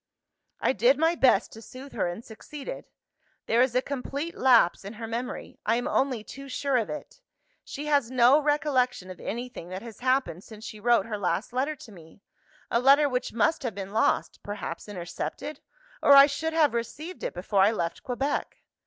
"I did my best to soothe her, and succeeded. There is a complete lapse in her memory I am only too sure of it! She has no recollection of anything that has happened since she wrote her last letter to me a letter which must have been lost (perhaps intercepted?), or I should have received it before I left Quebec.